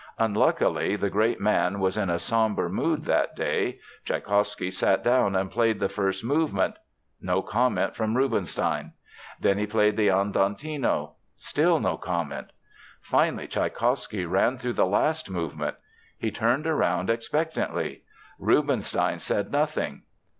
Unluckily, the great man was in a sombre mood that day. Tschaikowsky sat down and played the first movement. No comment from Rubinstein. Then he played the Andantino. Still no comment. Finally, Tschaikowsky ran through the last movement. He turned around expectantly. Rubinstein said nothing.